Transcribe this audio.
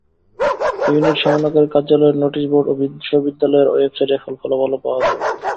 Unit সমন্বয়কারীর কার্যালয়ের notice board ও বিশ্ববিদ্যালয়ের ওয়েবসাইটে এ ফলাফল পাওয়া যাবে।